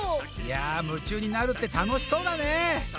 いや夢中になるってたのしそうだね！